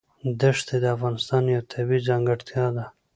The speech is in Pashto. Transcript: دښتې د افغانستان یوه طبیعي ځانګړتیا ده.